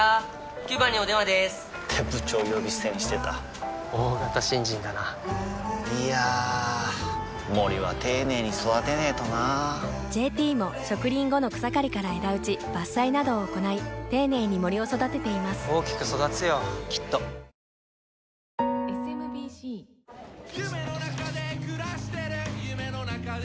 ９番にお電話でーす！って部長呼び捨てにしてた大型新人だないやー森は丁寧に育てないとな「ＪＴ」も植林後の草刈りから枝打ち伐採などを行い丁寧に森を育てています大きく育つよきっと世界ランキング４位アメリカのジェシカ・ペグラ２９歳。